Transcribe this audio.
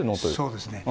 そうですね。